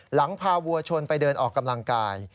หลังพาวัวชนไปเดินออกกำลังกาย